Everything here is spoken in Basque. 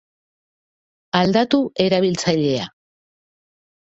Aldatu erabiltzailea.